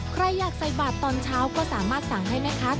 ใครอยากใส่บาทตอนเช้าก็สามารถสั่งให้แม่ค้า